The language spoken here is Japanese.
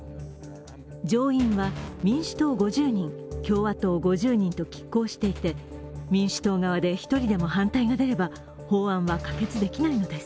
上院は民主党５０人、共和党５０人ときっ抗していて民主党側で１人でも反対が出れば法案は可決できないのです。